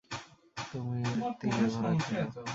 তুমীর তীরে ভরা ছিল।